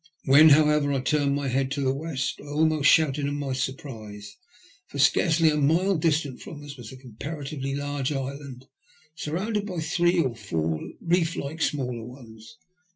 When, however, I tamed my head to the west I almost shouted in my surprise, for, scarcely a mile distant from as, was a comparatively large island, surrounded by three or four reef like smaller ones.